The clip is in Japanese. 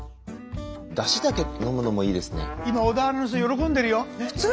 だしだけ飲むのもいいですね。